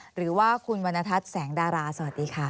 หรือว่าคุณวรรณทัศน์แสงดาราสวัสดีค่ะ